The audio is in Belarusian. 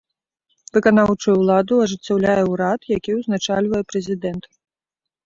Выканаўчую ўладу ажыццяўляе ўрад, які ўзначальвае прэзідэнт.